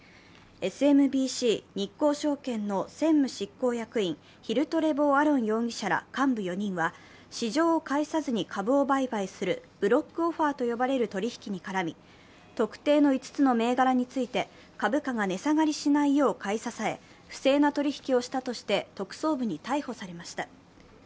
ＳＭＢＣ日興証券の専務執行役員、ヒル・トレボー・アロン容疑者ら幹部４人は、市場を介さずに株を売買するブロックオファーと呼ばれる取り引きに絡み特定の５つの銘柄について、株価が値下がりしないよう買い支え、不正な取り引きをしたとして特捜部に逮捕されました。